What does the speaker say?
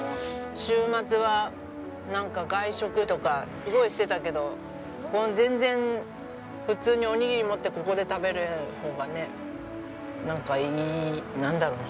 週末はなんか外食とかすごいしてたけど全然普通におにぎり持ってここで食べる方がねなんかいいなんだろうね？